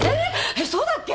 えっそうだっけ。